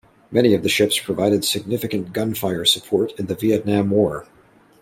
Many of the ships provided significant gunfire support in the Vietnam War.